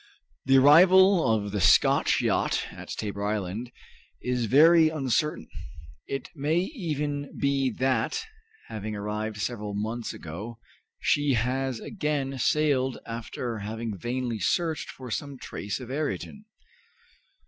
The arrival of the Scotch yacht at Tabor Island is very uncertain. It may even be that, having arrived several months ago, she has again sailed after having vainly searched for some trace of Ayrton.